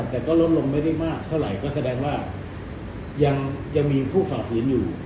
แต่ก็ลดลงไม่ได้มากเท่าไหร่ก็แสดงว่ายังมีผู้ฝ่าฝืนอยู่